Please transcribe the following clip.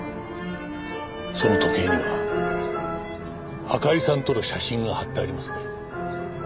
その時計にはあかりさんとの写真が貼ってありますね？